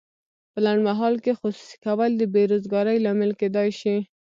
په لنډمهال کې خصوصي کول د بې روزګارۍ لامل کیدای شي.